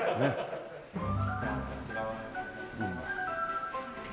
じゃあこちら。